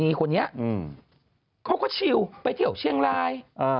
ที่เชียงรายเชียงใหม่